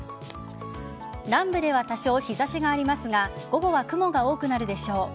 南部では多少、日差しがありますが午後は雲が多くなるでしょう。